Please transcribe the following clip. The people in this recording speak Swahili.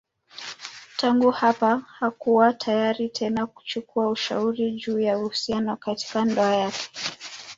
Tangu hapa hakuwa tayari tena kuchukua ushauri juu ya uhusiano katika ndoa yake.